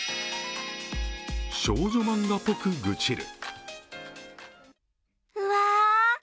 「少女漫画ぽく愚痴る」。